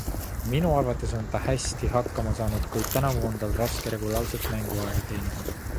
Minu arvates on ta hästi hakkama saanud, kuid tänavu on tal raske regulaarselt mänguaega teenida.